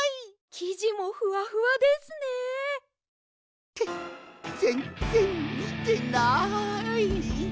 きじもふわふわですね！ってぜんぜんみてない！